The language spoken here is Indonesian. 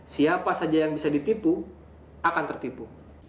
siapa saja yang bisa ditipu akan tertipu